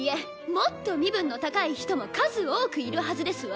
もっと身分の高い人も数多くいるはずですわ。